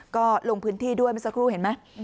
ก็ลงพื้นที่ด้วยเมื่อสักครู่เห็นไหม